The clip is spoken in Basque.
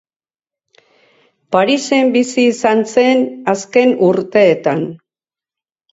Parisen bizi izan zen azken urteetan.